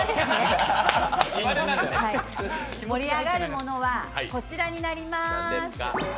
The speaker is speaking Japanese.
盛り上がるものはこちらになります。